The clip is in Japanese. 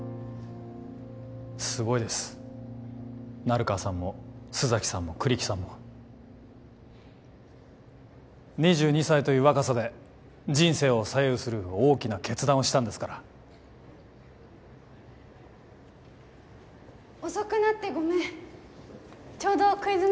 すごいです成川さんも須崎さんも栗木さんも２２歳という若さで人生を左右する大きな決断をしたんですから遅くなってごめんちょうどクイズ